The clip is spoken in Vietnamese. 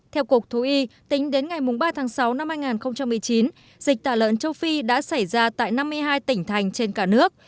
theo cục thú y tính đến ngày ba tháng sáu năm hai nghìn một mươi chín dịch tả lợn châu phi đã xảy ra tại năm mươi hai tỉnh thành trên cả nước